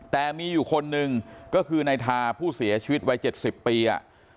แต่มีอยู่คนหนึ่งก็คือนายทาผู้เสียชีวิตวัย๗๐ปีอ่ะ